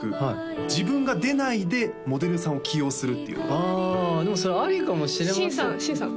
自分が出ないでモデルさんを起用するっていうあでもそれありかも新さん新さん